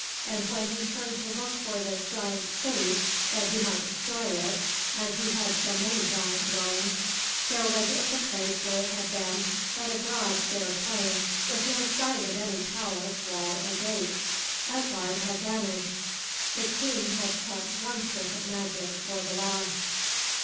And when he turned to look for the giant city that he might destroy it, as he had so many giant dwellings, there was in the place where it had been but a broad, fair plain, with no sign of any palace, wall, or gate. Utgard had vanished. The king had kept one trick of magic for the last.